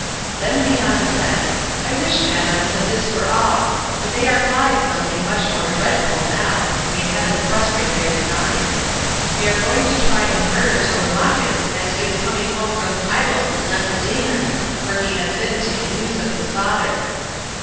Then Medon said, "I wish, Madam, that this were all; but they are plotting something much more dreadful now—may heaven frustrate their design. They are going to try and murder Telemachus as he is coming home from Pylos and Lacedaemon, where he has been to get news of his father."